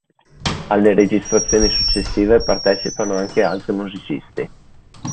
Alle registrazioni successive partecipano anche altri musicisti.